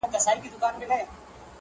لكه برېښنا,